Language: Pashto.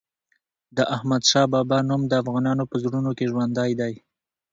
د احمد شاه بابا نوم د افغانانو په زړونو کې ژوندی دی.